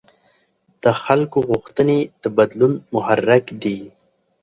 د خلکو غوښتنې د بدلون محرک دي